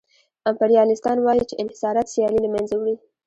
امپریالیستان وايي چې انحصارات سیالي له منځه وړي